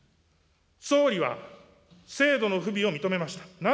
総理は、制度の不備を認めました。